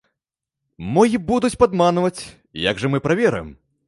Мо і будуць падманваць, як жа мы праверым?